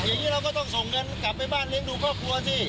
อย่างนี้เราก็ต้องส่งเงินกลับไปบ้านเลี้ยงดูครอบครัวสิ